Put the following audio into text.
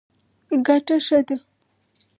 ګټه ښه ده.